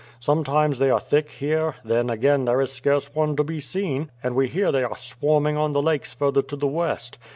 Sometimes they are thick here, then again there is scarce one to be seen, and we hear they are swarming on the lakes further to the west.